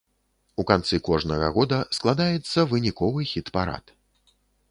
У канцы кожнага года складаецца выніковы хіт-парад.